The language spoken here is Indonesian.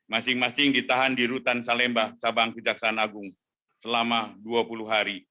masing masing ditahan di rutan salemba cabang kejaksaan agung selama dua puluh hari